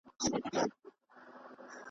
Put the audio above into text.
او دغسې يې افغانستان